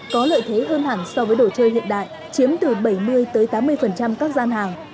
có lợi thế hơn hẳn so với đồ chơi hiện đại chiếm từ bảy mươi tám mươi các gian hàng